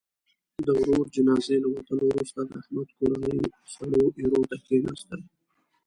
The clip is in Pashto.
د ورور جنازې له وتلو وروسته، د احمد کورنۍ سړو ایرو ته کېناستل.